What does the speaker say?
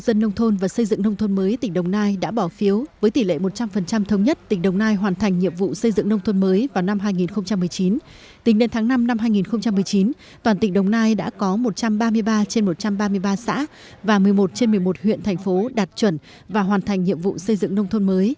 tỉnh đồng nai đã có một trăm ba mươi ba trên một trăm ba mươi ba xã và một mươi một trên một mươi một huyện thành phố đạt chuẩn và hoàn thành nhiệm vụ xây dựng nông thôn mới